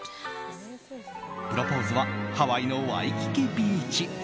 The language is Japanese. プロポーズはハワイのワイキキビーチ。